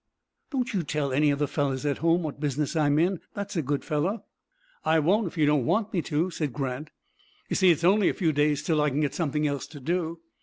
"Don't you tell any of the fellers at home what business I'm in, that's a good fellow." "I won't if you don't want me to," said Grant. "You see, it's only a few days till I can get something else to do."